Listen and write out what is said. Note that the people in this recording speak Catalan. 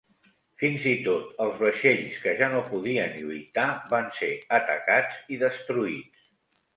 Fins i tot els vaixells que ja no podien lluitar van ser atacats i destruïts.